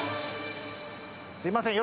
すいません。